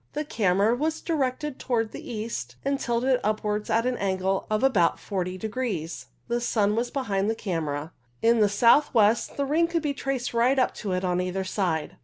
The camera was directed towards the east, and tilted upwards at an angle of about 40 degrees. The sun was behind the camera, in the south west, and the ring could be traced right up to it on either side.